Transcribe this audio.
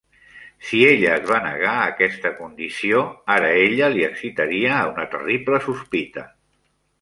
Si ella es va negar aquesta condició ara ella li excitaria a una terrible sospita.